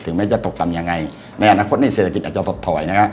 ถึงไม่จะตกตำยังไงในอนาคตนี้เศรษฐกิจอาจจะตดถอย